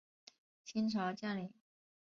清朝将领。